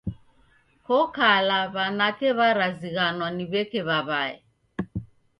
Ko kala w'anake w'arazighanwa ni w'eke w'aw'ae.